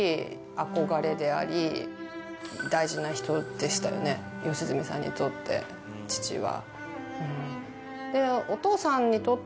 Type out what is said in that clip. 大事な人でしたよね良純さんにとって父は。